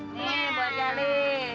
ini buat gali